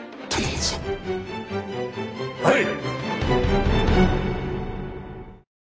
はい！